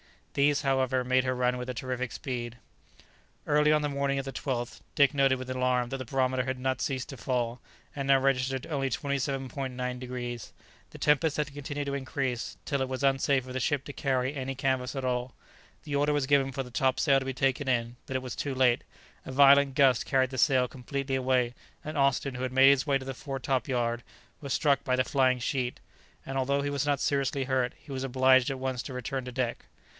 These, however, made her run with a terrific speed. Early on the morning of the 12th, Dick noted with alarm that the barometer had not ceased to fall, and now registered only 27.9°. The tempest had continued to increase, till it was unsafe for the ship to carry any canvas at all. The order was given for the top sail to be taken in, but it was too late; a violent gust carried the sail completely away, and Austin, who had made his way to the fore top yard, was struck by the flying sheet; and although he was not seriously hurt, he was obliged at once to return to deck.